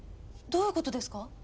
どういう事ですか？